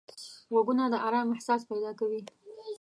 غوږونه د آرام احساس پیدا کوي